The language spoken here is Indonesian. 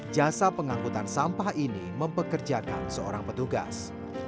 jasa pengangkutan sampah ini mempekerjakan seorang petugas